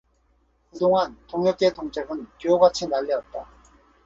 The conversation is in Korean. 그 동안 동혁의 동작은 비호같이 날래었다.